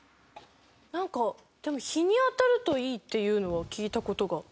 なんかでも日に当たるといいっていうのは聞いた事が。